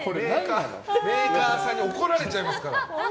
メーカーさんに怒られちゃいますから。